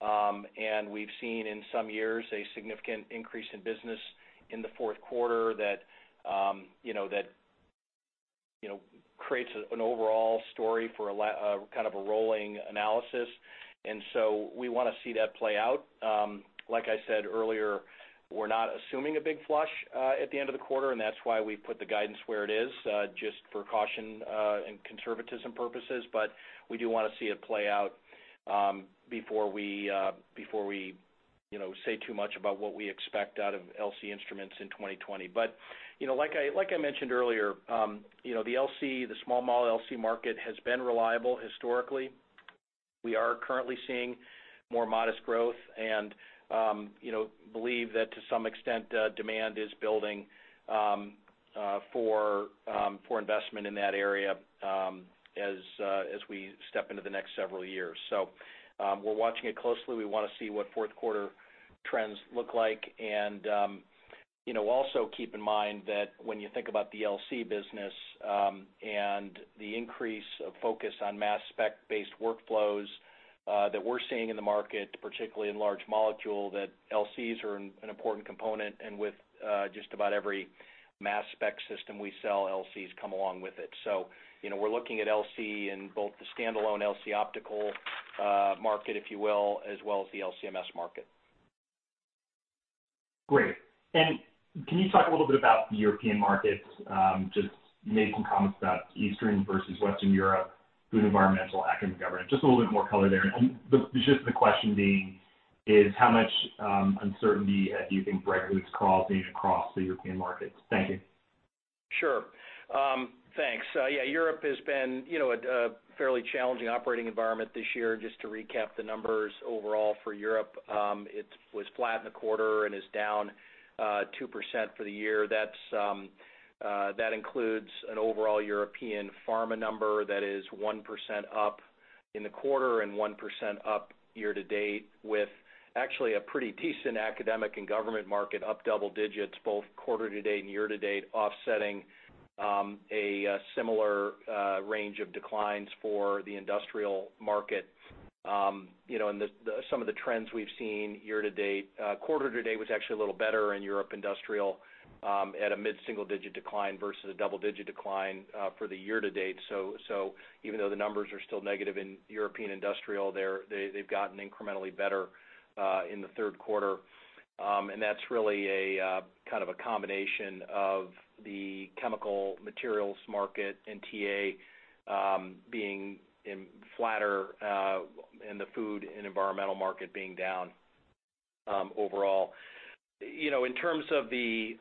And we've seen in some years a significant increase in business in the Q4 that creates an overall story for kind of a rolling analysis. And so we want to see that play out. Like I said earlier, we're not assuming a big flush at the end of the quarter, and that's why we put the guidance where it is just for caution and conservatism purposes. But we do want to see it play out before we say too much about what we expect out of LC instruments in 2020. But like I mentioned earlier, the small molecule LC market has been reliable historically. We are currently seeing more modest growth and believe that to some extent demand is building for investment in that area as we step into the next several years. So we're watching it closely. We want to see what Q4 trends look like. Also keep in mind that when you think about the LC business and the increase of focus on mass spec-based workflows that we're seeing in the market, particularly in large molecule, that LCs are an important component. And with just about every mass spec system we sell, LCs come along with it. So we're looking at LC in both the standalone LC optical market, if you will, as well as the LCMS market. Great. And can you talk a little bit about the European markets? Just made some comments about Eastern versus Western Europe, food, environmental, academic, government. Just a little bit more color there. And just the question being is how much uncertainty do you think Brexit's causing across the European markets? Thank you. Sure. Thanks. Yeah. Europe has been a fairly challenging operating environment this year. Just to recap the numbers overall for Europe, it was flat in the quarter and is down 2% for the year. That includes an overall European pharma number that is 1% up in the quarter and 1% up year to date, with actually a pretty decent academic and government market up double digits, both quarter to date and year to date, offsetting a similar range of declines for the industrial market. And some of the trends we've seen year to date, quarter to date was actually a little better in European industrial at a mid-single digit decline versus a double-digit decline for the year to date. So even though the numbers are still negative in European industrial, they've gotten incrementally better in the Q3. That's really a kind of a combination of the chemical materials market and TA being flatter and the food and environmental market being down overall. In terms of the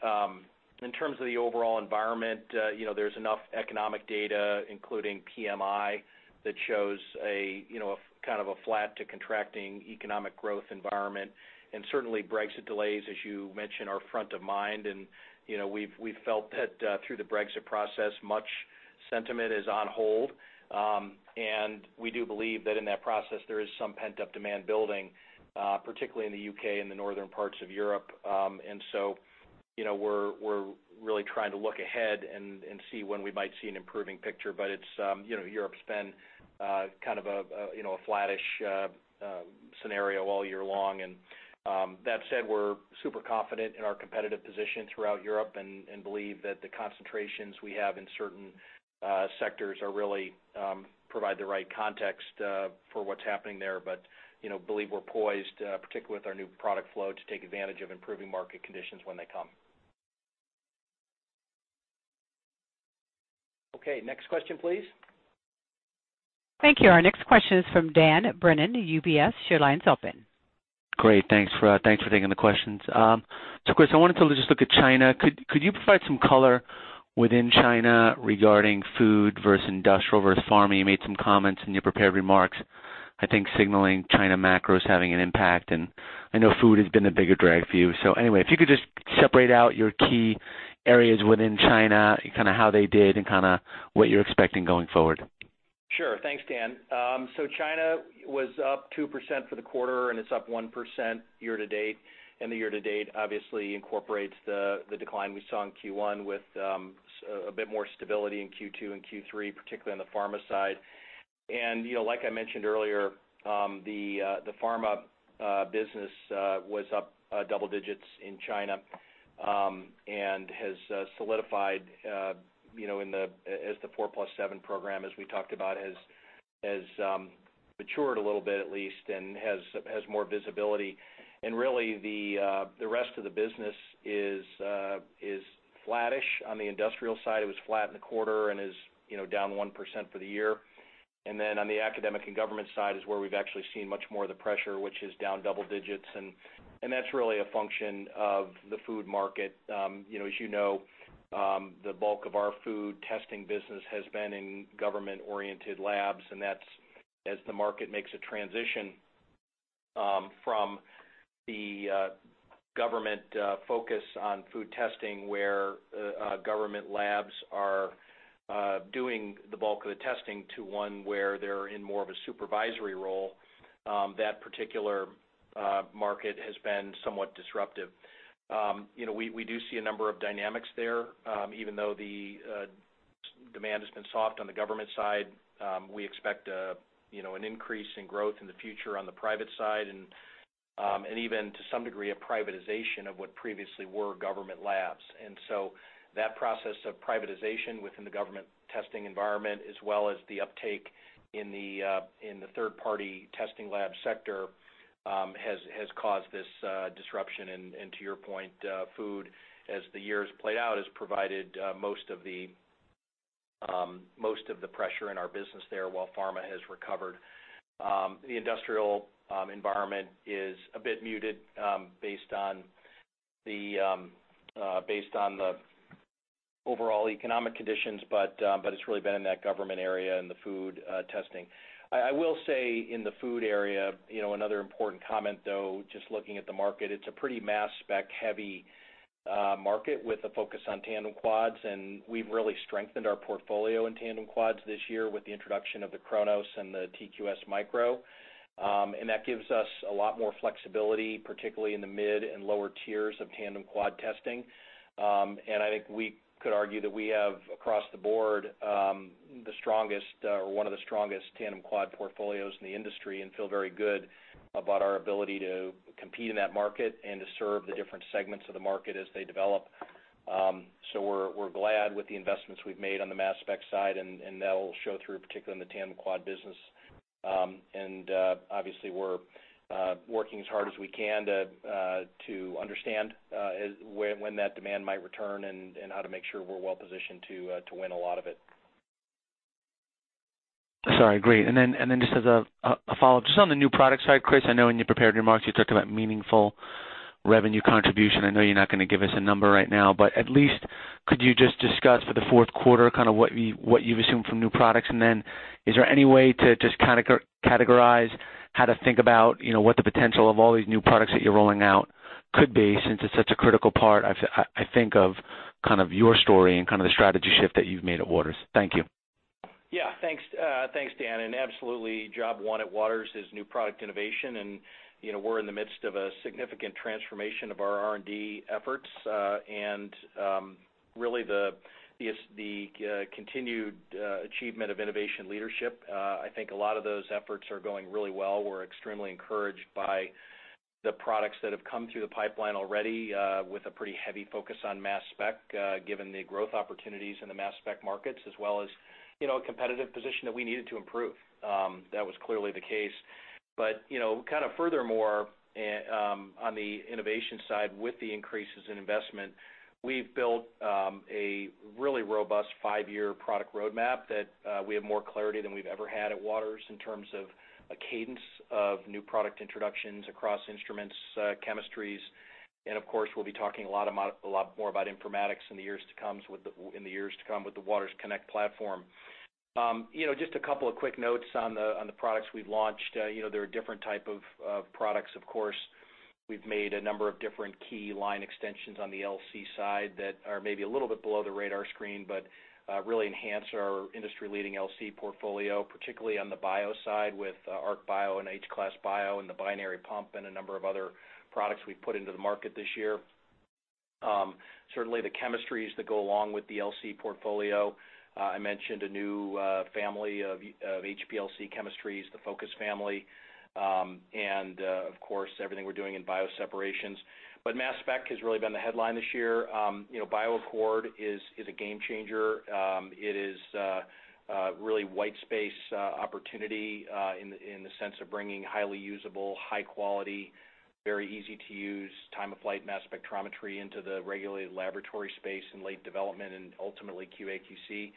overall environment, there's enough economic data, including PMI, that shows a kind of a flat to contracting economic growth environment. Certainly, Brexit delays, as you mentioned, are front of mind. We've felt that through the Brexit process, much sentiment is on hold. We do believe that in that process, there is some pent-up demand building, particularly in the UK and the northern parts of Europe. We're really trying to look ahead and see when we might see an improving picture. Europe's been kind of a flattish scenario all year long. That said, we're super confident in our competitive position throughout Europe and believe that the concentrations we have in certain sectors really provide the right context for what's happening there. But believe we're poised, particularly with our new product flow, to take advantage of improving market conditions when they come. Okay. Next question, please. Thank you. Our next question is from Dan Brennan, UBS. Your line's open. Great. Thanks for taking the questions. So Chris, I wanted to just look at China. Could you provide some color within China regarding food versus industrial versus pharma? You made some comments in your prepared remarks, I think signaling China macros having an impact. And I know food has been a bigger drag for you. So anyway, if you could just separate out your key areas within China, kind of how they did, and kind of what you're expecting going forward. Sure. Thanks, Dan. So China was up 2% for the quarter, and it's up 1% year to date. And the year to date obviously incorporates the decline we saw in Q1 with a bit more stability in Q2 and Q3, particularly on the pharma side. And like I mentioned earlier, the pharma business was up double digits in China and has solidified, as the 4+7 program, as we talked about, has matured a little bit at least and has more visibility. And really, the rest of the business is flattish on the industrial side. It was flat in the quarter and is down 1% for the year. And then on the academic and government side is where we've actually seen much more of the pressure, which is down double digits. And that's really a function of the food market. As you know, the bulk of our food testing business has been in government-oriented labs, and that's as the market makes a transition from the government focus on food testing, where government labs are doing the bulk of the testing, to one where they're in more of a supervisory role, that particular market has been somewhat disruptive. We do see a number of dynamics there. Even though the demand has been soft on the government side, we expect an increase in growth in the future on the private side and even to some degree a privatization of what previously were government labs, and so that process of privatization within the government testing environment, as well as the uptake in the third-party testing lab sector, has caused this disruption. And to your point, food, as the years played out, has provided most of the pressure in our business there while pharma has recovered. The industrial environment is a bit muted based on the overall economic conditions, but it's really been in that government area and the food testing. I will say in the food area, another important comment though, just looking at the market, it's a pretty mass spec-heavy market with a focus on tandem quads. And we've really strengthened our portfolio in tandem quads this year with the introduction of the Cronos and the TQ-S micro. And that gives us a lot more flexibility, particularly in the mid and lower tiers of tandem quad testing. And I think we could argue that we have, across the board, the strongest or one of the strongest tandem quad portfolios in the industry and feel very good about our ability to compete in that market and to serve the different segments of the market as they develop. So we're glad with the investments we've made on the mass spec side, and that will show through, particularly in the tandem quad business. And obviously, we're working as hard as we can to understand when that demand might return and how to make sure we're well positioned to win a lot of it. Sorry. Great. And then just as a follow-up, just on the new product side, Chris, I know in your prepared remarks you talked about meaningful revenue contribution. I know you're not going to give us a number right now, but at least could you just discuss for the Q4 kind of what you've assumed from new products? And then is there any way to just kind of categorize how to think about what the potential of all these new products that you're rolling out could be since it's such a critical part, I think, of kind of your story and kind of the strategy shift that you've made at Waters? Thank you. Yeah. Thanks, Dan. And absolutely, job one at Waters is new product innovation. And we're in the midst of a significant transformation of our R&D efforts. And really, the continued achievement of innovation leadership, I think a lot of those efforts are going really well. We're extremely encouraged by the products that have come through the pipeline already with a pretty heavy focus on mass spec, given the growth opportunities in the mass spec markets, as well as a competitive position that we needed to improve. That was clearly the case. But kind of furthermore, on the innovation side with the increases in investment, we've built a really robust five-year product roadmap that we have more clarity than we've ever had at Waters in terms of a cadence of new product introductions across instruments, chemistries. And of course, we'll be talking a lot more about informatics in the years to come with the Waters Connect platform. Just a couple of quick notes on the products we've launched. There are different types of products. Of course, we've made a number of different key line extensions on the LC side that are maybe a little bit below the radar screen, but really enhance our industry-leading LC portfolio, particularly on the bio side with Arc Bio and H-Class Bio and the binary pump and a number of other products we've put into the market this year. Certainly, the chemistries that go along with the LC portfolio. I mentioned a new family of HPLC chemistries, the Focus family, and of course, everything we're doing in bio separations, but mass spec has really been the headline this year. BioAccord is a game changer. It is really white space opportunity in the sense of bringing highly usable, high-quality, very easy-to-use, time-of-flight mass spectrometry into the regulated laboratory space in late development and ultimately QA/QC.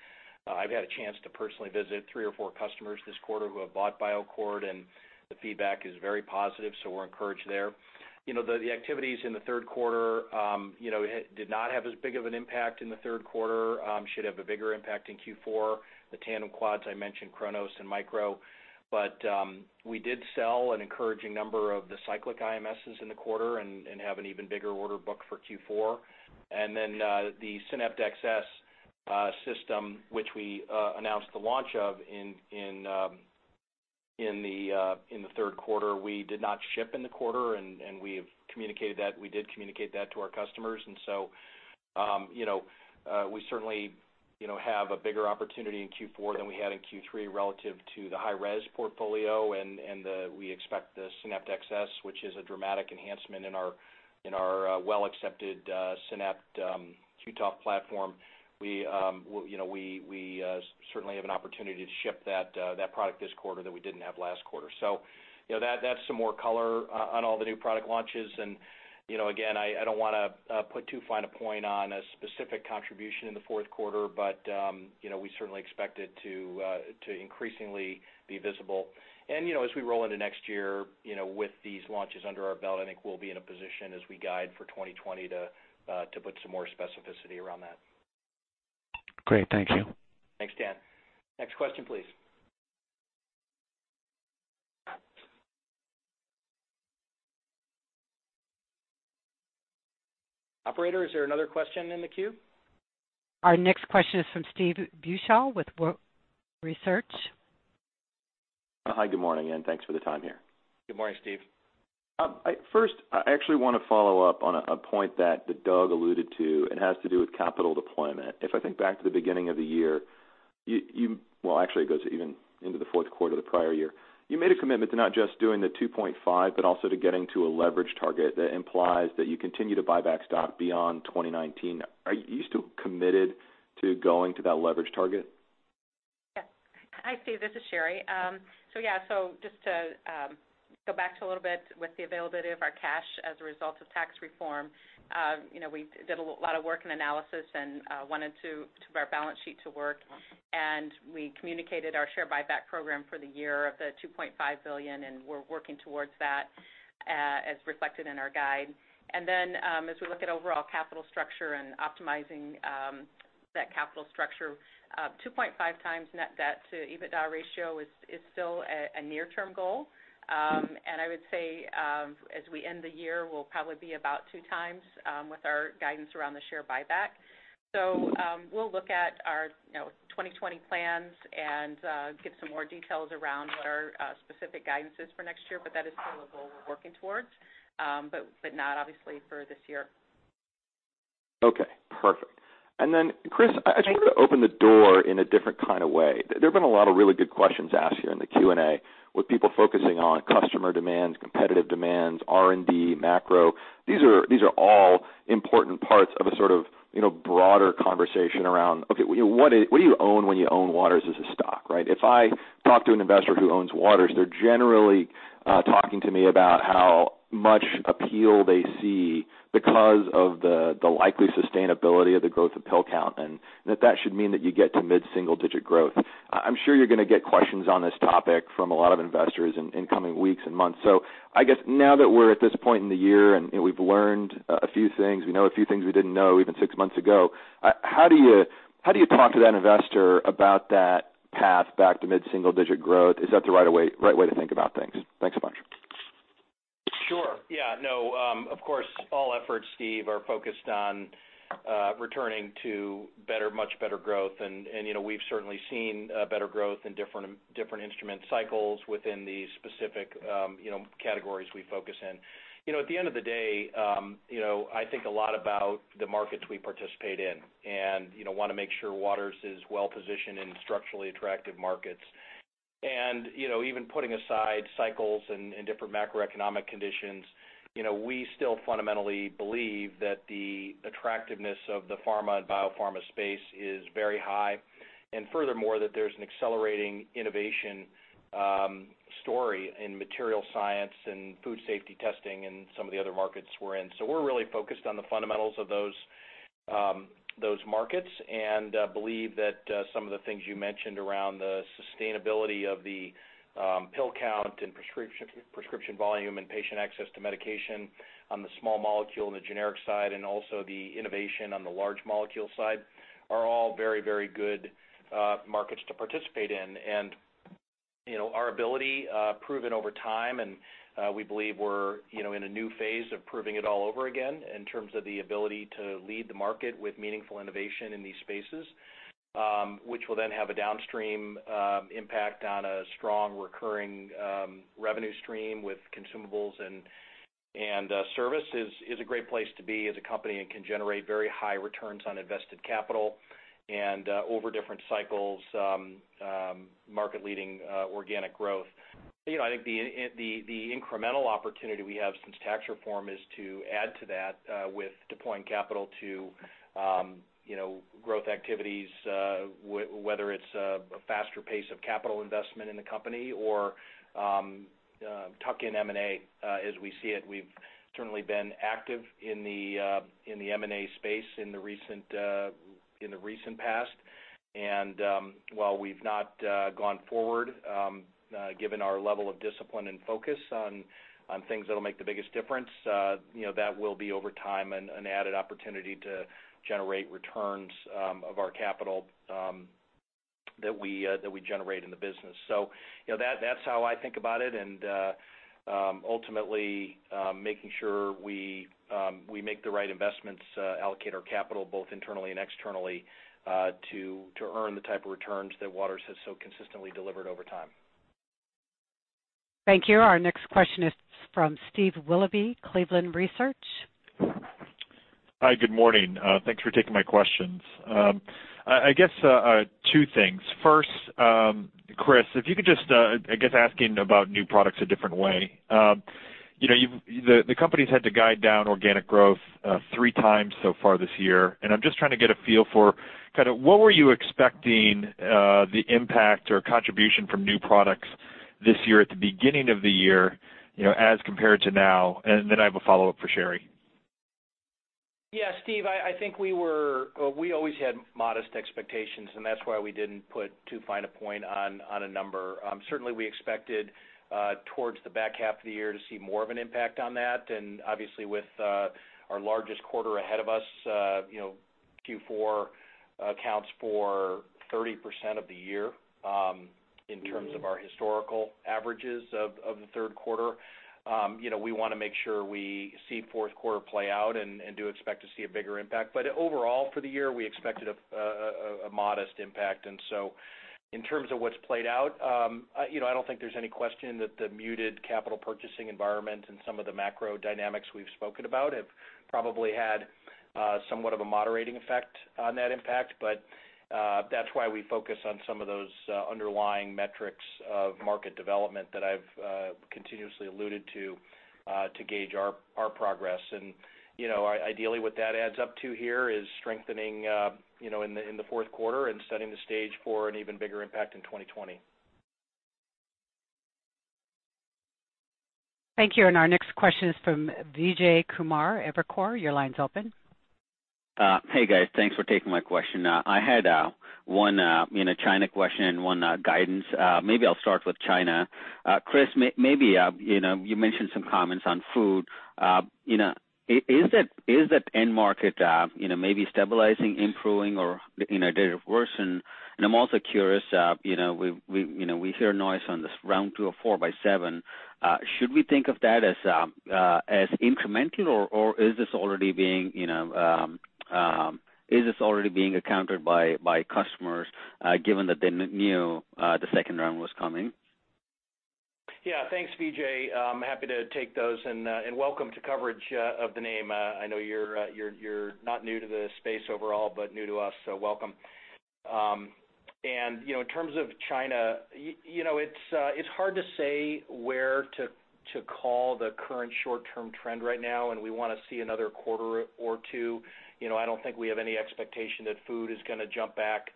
I've had a chance to personally visit three or four customers this quarter who have bought BioAccord, and the feedback is very positive. So we're encouraged there. The activities in the Q3 did not have as big of an impact in the Q3. Should have a bigger impact in Q4. The tandem quads I mentioned, cronos and micro. But we did sell an encouraging number of the Cyclic IMSs in the quarter and have an even bigger order book for Q4. And then the Synapt XS system, which we announced the launch of in the Q3, we did not ship in the quarter, and we have communicated that. We did communicate that to our customers. And so we certainly have a bigger opportunity in Q4 than we had in Q3 relative to the high-res portfolio. And we expect the Synapt XS, which is a dramatic enhancement in our well-accepted Synapt Q-ToF platform. We certainly have an opportunity to ship that product this quarter that we didn't have last quarter. So that's some more color on all the new product launches. And again, I don't want to put too fine a point on a specific contribution in the Q4, but we certainly expect it to increasingly be visible. And as we roll into next year with these launches under our belt, I think we'll be in a position as we guide for 2020 to put some more specificity around that. Great. Thank you. Thanks, Dan. Next question, please. Operator, is there another question in the queue? Our next question is from Steve Beuchaw with Wolfe Research. Hi. Good morning, and thanks for the time here. Good morning, Steve. First, I actually want to follow up on a point that Doug alluded to. It has to do with capital deployment. If I think back to the beginning of the year, you - well, actually, it goes even into the Q4 of the prior year - you made a commitment to not just doing the 2.5, but also to getting to a leverage target that implies that you continue to buy back stock beyond 2019. Are you still committed to going to that leverage target? Yes. Hi, Steve. This is Sherry. So yeah, so just to go back to a little bit with the availability of our cash as a result of tax reform, we did a lot of work and analysis and wanted to have our balance sheet to work. We communicated our share buyback program for the year of the $2.5 billion, and we're working towards that as reflected in our guide. And then as we look at overall capital structure and optimizing that capital structure, 2.5 times net debt to EBITDA ratio is still a near-term goal. And I would say as we end the year, we'll probably be about two times with our guidance around the share buyback. So we'll look at our 2020 plans and get some more details around what our specific guidance is for next year. But that is still a goal we're working towards, but not obviously for this year. Okay. Perfect. And then, Chris, I just wanted to open the door in a different kind of way. There have been a lot of really good questions asked here in the Q&A with people focusing on customer demands, competitive demands, R&D, macro. These are all important parts of a sort of broader conversation around, okay, what do you own when you own Waters as a stock, right? If I talk to an investor who owns Waters, they're generally talking to me about how much appeal they see because of the likely sustainability of the growth of pill count, and that that should mean that you get to mid-single-digit growth. I'm sure you're going to get questions on this topic from a lot of investors in coming weeks and months. So I guess now that we're at this point in the year and we've learned a few things, we know a few things we didn't know even six months ago, how do you talk to that investor about that path back to mid-single-digit growth? Is that the right way to think about things? Thanks so much. Sure. Yeah. No, of course, all efforts, Steve, are focused on returning to much better growth, and we've certainly seen better growth in different instrument cycles within the specific categories we focus in. At the end of the day, I think a lot about the markets we participate in and want to make sure Waters is well positioned in structurally attractive markets, and even putting aside cycles and different macroeconomic conditions, we still fundamentally believe that the attractiveness of the pharma and biopharma space is very high, and furthermore, that there's an accelerating innovation story in materials science and food safety testing and some of the other markets we're in. So we're really focused on the fundamentals of those markets and believe that some of the things you mentioned around the sustainability of the pill count and prescription volume and patient access to medication on the small molecule and the generic side, and also the innovation on the large molecule side, are all very, very good markets to participate in. And our ability proven over time, and we believe we're in a new phase of proving it all over again in terms of the ability to lead the market with meaningful innovation in these spaces, which will then have a downstream impact on a strong recurring revenue stream with consumables and service, is a great place to be as a company and can generate very high returns on invested capital and over different cycles, market-leading organic growth. I think the incremental opportunity we have since tax reform is to add to that with deploying capital to growth activities, whether it's a faster pace of capital investment in the company or tuck in M&A as we see it. We've certainly been active in the M&A space in the recent past. And while we've not gone forward, given our level of discipline and focus on things that will make the biggest difference, that will be over time an added opportunity to generate returns of our capital that we generate in the business. So that's how I think about it. And ultimately, making sure we make the right investments, allocate our capital both internally and externally to earn the type of returns that Waters has so consistently delivered over time. Thank you. Our next question is from Steve Willoughby, Cleveland Research. Hi. Good morning. Thanks for taking my questions. I guess two things. First, Chris, if you could just, I guess, asking about new products a different way. The company's had to guide down organic growth three times so far this year. And I'm just trying to get a feel for kind of what were you expecting the impact or contribution from new products this year at the beginning of the year as compared to now? And then I have a follow-up for Sherry. Yeah. Steve, I think we always had modest expectations, and that's why we didn't put too fine a point on a number. Certainly, we expected towards the back half of the year to see more of an impact on that. And obviously, with our largest quarter ahead of us, Q4 accounts for 30% of the year in terms of our historical averages of the Q3. We want to make sure we see Q4 play out and do expect to see a bigger impact. But overall, for the year, we expected a modest impact. And so in terms of what's played out, I don't think there's any question that the muted capital purchasing environment and some of the macro dynamics we've spoken about have probably had somewhat of a moderating effect on that impact. But that's why we focus on some of those underlying metrics of market development that I've continuously alluded to to gauge our progress. And ideally, what that adds up to here is strengthening in the Q4 and setting the stage for an even bigger impact in 2020. Thank you. And our next question is from Vijay Kumar, Evercore ISI. Your line's open. Hey, guys. Thanks for taking my question. I had one China question and one guidance. Maybe I'll start with China. Chris, maybe you mentioned some comments on food. Is that end market maybe stabilizing, improving, or did it worsen? And I'm also curious, we hear noise on this round two of 4+7. Should we think of that as incremental, or is this already being accounted by customers given that they knew the second round was coming? Yeah. Thanks, Vijay. I'm happy to take those. And welcome to coverage of the name. I know you're not new to the space overall, but new to us, so welcome. And in terms of China, it's hard to say where to call the current short-term trend right now. And we want to see another quarter or two. I don't think we have any expectation that food is going to jump back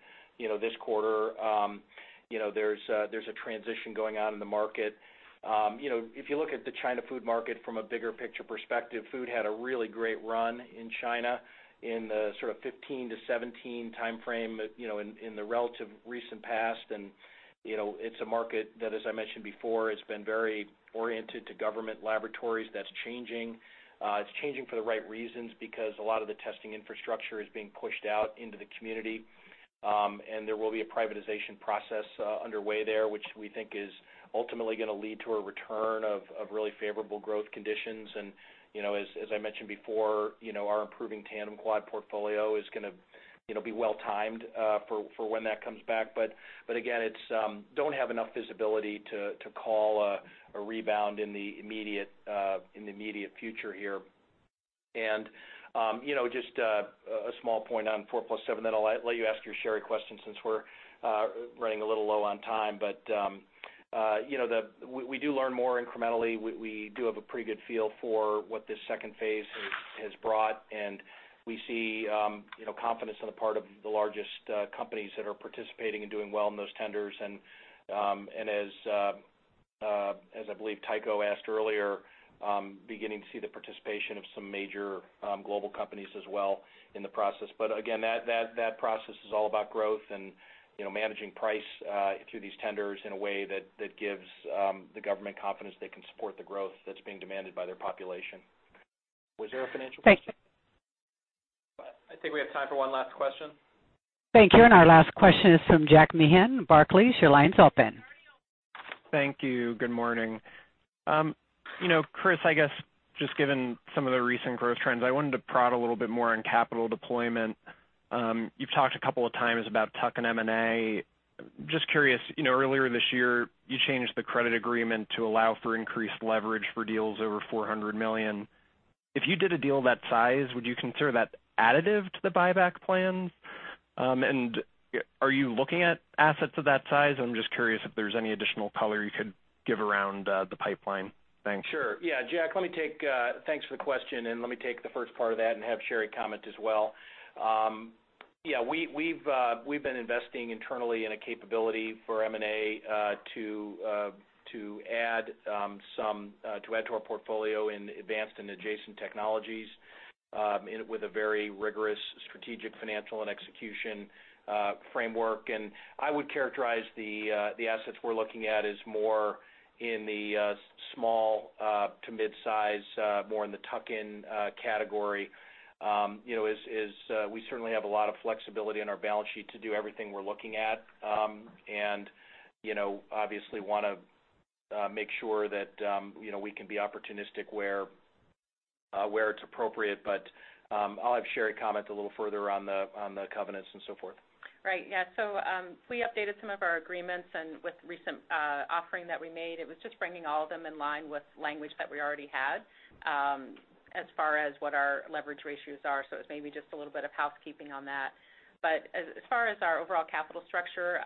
this quarter. There's a transition going on in the market. If you look at the China food market from a bigger picture perspective, food had a really great run in China in the sort of 2015-2017 timeframe in the relatively recent past, and it's a market that, as I mentioned before, has been very oriented to government laboratories. That's changing. It's changing for the right reasons because a lot of the testing infrastructure is being pushed out into the community, and there will be a privatization process underway there, which we think is ultimately going to lead to a return of really favorable growth conditions, and as I mentioned before, our improving tandem quad portfolio is going to be well-timed for when that comes back. But again, don't have enough visibility to call a rebound in the immediate future here. Just a small point on 4+7, then I'll let you ask your Sherry question since we're running a little low on time. We do learn more incrementally. We do have a pretty good feel for what this second phase has brought. We see confidence on the part of the largest companies that are participating and doing well in those tenders. As I believe Tycho asked earlier, beginning to see the participation of some major global companies as well in the process. Again, that process is all about growth and managing price through these tenders in a way that gives the government confidence they can support the growth that's being demanded by their population. Was there a financial question? I think we have time for one last question. Thank you. Our last question is from Jack Meehan, Barclays. Your line's open. Thank you. Good morning. Chris, I guess just given some of the recent growth trends, I wanted to prod a little bit more on capital deployment. You've talked a couple of times about tucking M&A. Just curious, earlier this year, you changed the credit agreement to allow for increased leverage for deals over $400 million. If you did a deal that size, would you consider that additive to the buyback plans? And are you looking at assets of that size? I'm just curious if there's any additional color you could give around the pipeline. Thanks. Sure. Yeah. Jack, thanks for the question. And let me take the first part of that and have Sherry comment as well. Yeah. We've been investing internally in a capability for M&A to add to our portfolio in advanced and adjacent technologies with a very rigorous strategic financial and execution framework. I would characterize the assets we're looking at as more in the small to mid-size, more in the tuck-in category. We certainly have a lot of flexibility in our balance sheet to do everything we're looking at and obviously want to make sure that we can be opportunistic where it's appropriate. I'll have Sherry comment a little further on the covenants and so forth. Right. Yeah, we updated some of our agreements. With the recent offering that we made, it was just bringing all of them in line with language that we already had as far as what our leverage ratios are. It's maybe just a little bit of housekeeping on that. As far as our overall capital structure,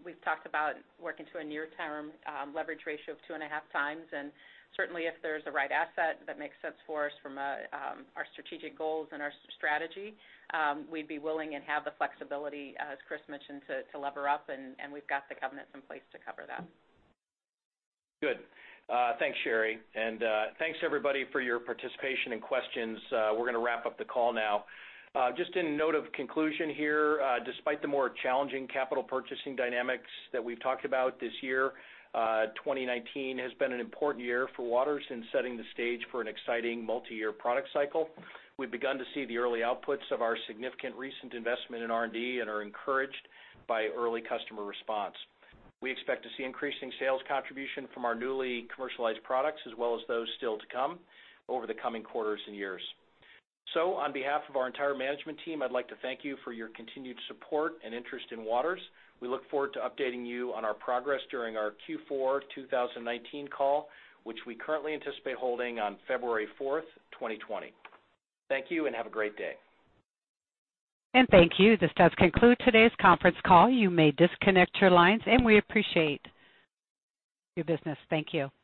we've talked about working to a near-term leverage ratio of two and a half times. And certainly, if there's a right asset that makes sense for us from our strategic goals and our strategy, we'd be willing and have the flexibility, as Chris mentioned, to lever up. And we've got the covenants in place to cover that. Good. Thanks, Sherry. And thanks, everybody, for your participation and questions. We're going to wrap up the call now. Just in note of conclusion here, despite the more challenging capital purchasing dynamics that we've talked about this year, 2019 has been an important year for Waters in setting the stage for an exciting multi-year product cycle. We've begun to see the early outputs of our significant recent investment in R&D and are encouraged by early customer response. We expect to see increasing sales contribution from our newly commercialized products as well as those still to come over the coming quarters and years. So on behalf of our entire management team, I'd like to thank you for your continued support and interest in Waters. We look forward to updating you on our progress during our Q4 2019 call, which we currently anticipate holding on 4 February 2020. Thank you and have a great day. And thank you. This does conclude today's conference call. You may disconnect your lines, and we appreciate your business. Thank you.